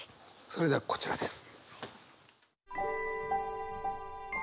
それではこちらです。